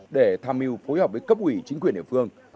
để tham mưu phối hợp với cấp ủy chính quyền địa phương